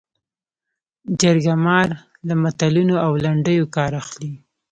جرګه مار له متلونو او لنډیو کار اخلي